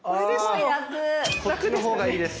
こっちのほうがいいです。